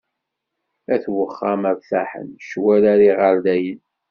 At uxxam rtaḥen, ccwal ar iɣerdayen.